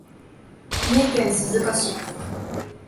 三重県鈴鹿市